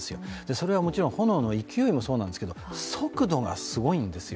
それはもちろん炎の勢いもそうなんですけど速度がすごいんですよ。